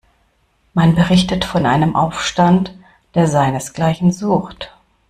Man berichtet von einem Aufstand, der seinesgleichen sucht.